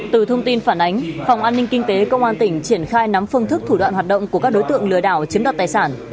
từ thông tin phản ánh phòng an ninh kinh tế công an tỉnh triển khai nắm phương thức thủ đoạn hoạt động của các đối tượng lừa đảo chiếm đoạt tài sản